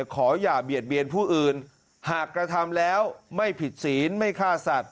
ขออย่าเบียดเบียนผู้อื่นหากกระทำแล้วไม่ผิดศีลไม่ฆ่าสัตว